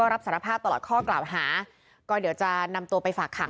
รับคำขอโทษไหม